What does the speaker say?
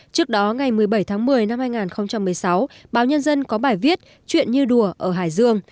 trước đó ngày một mươi bảy tháng một mươi năm hai nghìn một mươi sáu báo nhân dân có bài viết chuyện như đùa ở hải dương